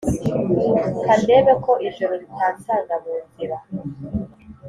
Kandebe ko ijoro ritansanga mu nzira